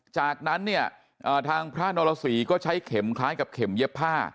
จากนั้นเนี่ยทางพระนรสีก็ใช้เข็มคล้ายกับเข็มเย็บผ้า